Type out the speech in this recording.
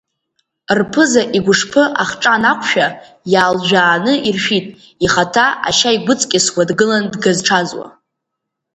Рԥыза игәышԥы ахҿа анақәшәа, иалжәааны иршәит, ихаҭа ашьа игәыҵкьысуа дгылан дгазҽазуа.